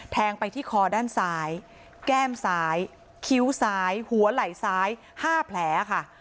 แทงไปที่คอด้านซ้ายแก้มซ้ายคิ้วซ้ายหัวไหล่ซ้าย๕แผลค่ะ